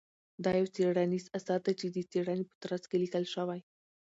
دا يو څېړنيز اثر دى چې د څېړنې په ترڅ کې ليکل شوى.